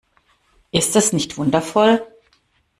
Ist es nicht wundervoll?